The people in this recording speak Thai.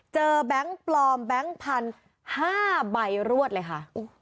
แบงค์ปลอมแบงค์พันธุ์๕ใบรวดเลยค่ะ